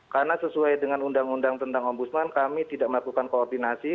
karena sesuai dengan undang undang tentang ombudsman kami tidak melakukan koordinasi